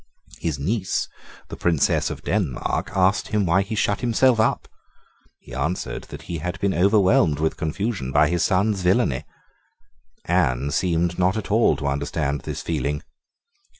His niece, the Princess of Denmark, asked him why he shut himself up. He answered that he had been overwhelmed with confusion by his son's villany. Anne seemed not at all to understand this feeling.